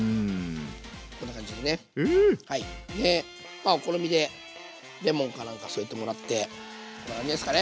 まあお好みでレモンか何か添えてもらってこんな感じですかね。